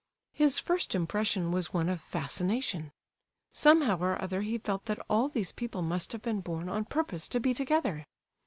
His first impression was one of fascination. Somehow or other he felt that all these people must have been born on purpose to be together!